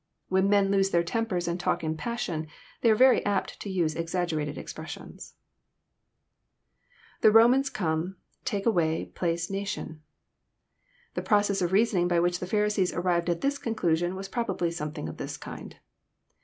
When men lose their tempers, and talk in passion, they are very apt to use exaggerated expressions. [_The Somans eame^Aake aioay...plac«...nation.] The process of reasoning by which the Pharisees arrived at this conclusion was probably something of this kind.